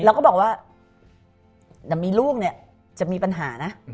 เราก็บอกว่าถ้ามีลูกเนี่ยจะมีปัญหานะ